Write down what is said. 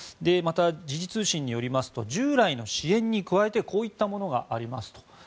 また、時事通信によりますと従来の支援に加えてこういったものがありますと。